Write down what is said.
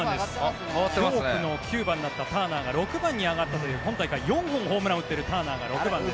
恐怖の９番だったターナーが６番に上がったという今大会４本のホームランを打っているというターナーが６番です。